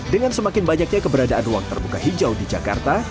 dengan semakin banyaknya keberadaan ruang terbuka hijau di jakarta